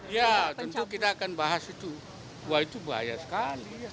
ya tentu kita akan bahas itu wah itu bahaya sekali